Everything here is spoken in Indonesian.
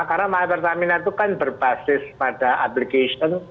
karena my pertamina itu kan berbasis pada aplikasi